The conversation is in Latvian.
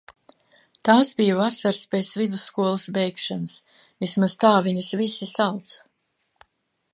Tās bija vasaras pēc vidusskolas beigšanas. Vismaz tā viņas visi sauca.